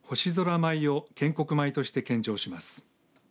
舞を献穀米として献上します。